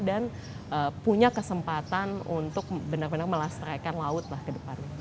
dan punya kesempatan untuk benar benar melestraikan laut lah kedepannya